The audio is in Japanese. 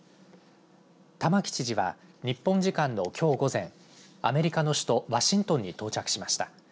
玉城知事は日本時間のきょう午前アメリカの首都ワシントンに到着しました。